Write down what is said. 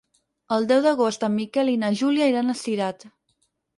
El deu d'agost en Miquel i na Júlia iran a Cirat.